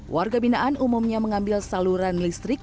warga binaan umumnya mengambil saluran listrik